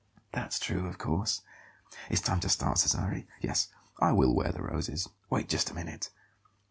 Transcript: "That's true, of course. It's time to start, Cesare. Yes, I will wear the roses. Wait just a minute."